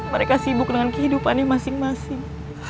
mereka sibuk dengan kehidupannya masing masing